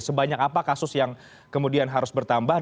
sebanyak apa kasus yang kemudian harus bertambah